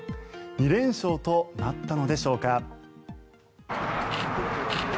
２連勝となったのでしょうか。